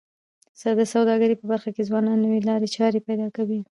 د سوداګرۍ په برخه کي ځوانان نوې لارې چارې پیدا کوي.